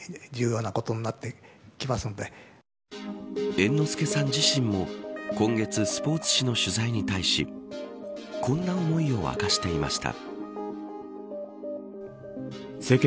猿之助さん自身も、今月スポーツ紙の取材に対しこんな思いを明かしていました。